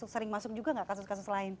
sering masuk juga nggak kasus kasus lain